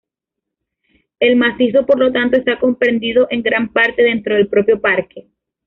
El macizo, por lo tanto, está comprendido en gran parte dentro del propio parque.